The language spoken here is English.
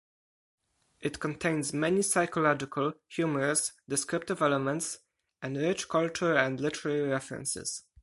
It contains many psychological, humorous, descriptive elements, and rich cultural and literary references.